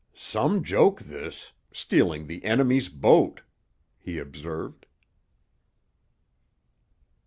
"Some joke this—stealing the enemy's boat," he observed.